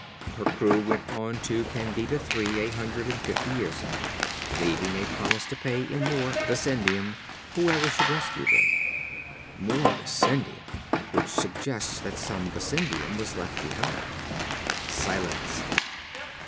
Her crew went on to Candida III a hundred and fifty years ago, leaving a promise to pay in more bessendium whoever should rescue them. More bessendium! Which suggests that some bessendium was left behind." Silence.